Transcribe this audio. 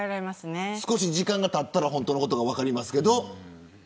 少し時間がたったら本当のことが分かりますけど。